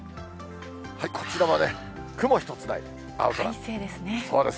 こちらはね、雲一つない快晴です。